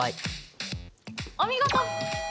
お見事！